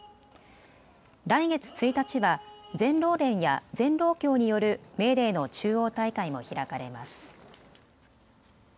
来月１日は全労連や全労協によるメーデーの中央大会も開かれます。